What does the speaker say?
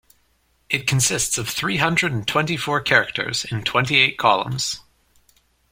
It consists of three-hundred and twenty-four characters in twenty-eight columns.